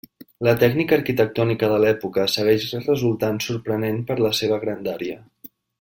La tècnica arquitectònica de l'època segueix resultant sorprenent per la seva grandària.